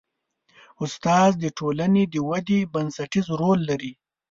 استاد د ټولنې د ودې بنسټیز رول لري.